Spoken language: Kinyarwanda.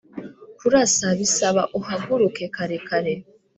kurasa bisaba uhaguruke kare kare